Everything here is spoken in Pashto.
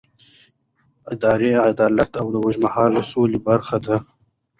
اداري عدالت د اوږدمهاله سولې برخه ده